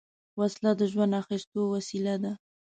وسله د ژوند اخیستو وسیله ده